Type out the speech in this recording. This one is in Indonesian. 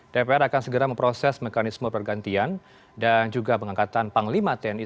dpr akan segera memproses mekanisme pergantian dan juga pengangkatan panglima tni